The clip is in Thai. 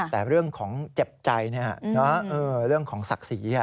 แต่เรื่องของเจ็บใจเรื่องของศักดิ์ศรี